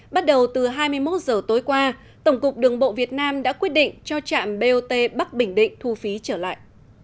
bắt đầu từ hai mươi một h tối qua tổng cục đường bộ việt nam đã quyết định cho trạm bot bắc bình định thu phí trở lại